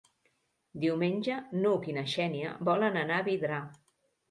Diumenge n'Hug i na Xènia volen anar a Vidrà.